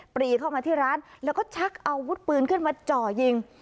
ปรีเข้ามาที่ร้านแล้วก็ชักอาวุธปืนขึ้นมาจ่อยิง